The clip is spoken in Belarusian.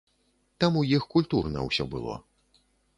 Там у іх культурна ўсё было.